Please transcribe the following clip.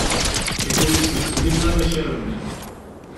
Ipulisen ttqelliben amakar-nni.